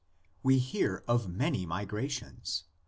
We hear of many migrations.